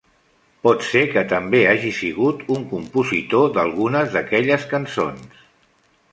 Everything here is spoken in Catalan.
Pot ser que també hagi sigut un compositor d'alguna d'aquelles cançons.